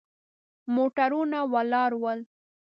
موټرونه ولاړ ول.